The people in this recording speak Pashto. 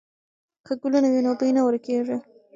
که ګلونه وي نو بوی نه ورکېږي.